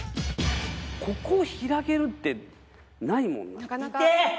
ここを開けるってないもんなイテッ！